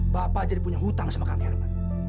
bapak jadi punya hutang sama kami herman